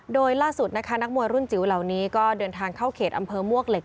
โดยล่าสุดนะคะนักมวยรุ่นจิ๋วเหล่านี้ก็เดินทางเข้าเขตอำเภอมวกเหล็ก